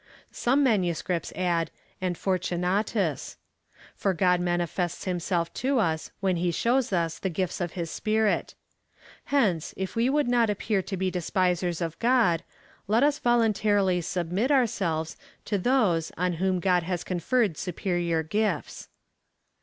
Some manuscripts add, and Fortunatus} For God manifests himself to us when he shows us the gifts of his Spirit. Hence, if we would not appear to be despisers of God, let us voluntarily suhinit our selves to those, on whom God has conferred superior gifts.